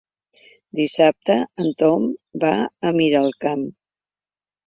Dissabte en Tom va a Miralcamp.